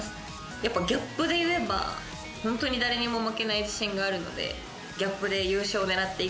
やっぱギャップで言えばホントに誰にも負けない自信があるので。